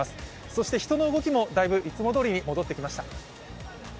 そして人の動きもだいぶいつもどおりに戻ってきました。